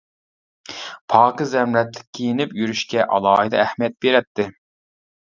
پاكىز ھەم رەتلىك كىيىنىپ يۈرۈشكە ئالاھىدە ئەھمىيەت بېرەتتى.